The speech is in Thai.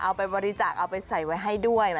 เอาไปบริจาคเอาไปใส่ไว้ให้ด้วย